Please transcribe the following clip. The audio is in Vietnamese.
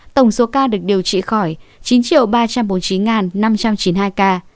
tổng số ca được điều trị khỏi chín ba trăm bốn mươi chín năm trăm chín mươi hai ca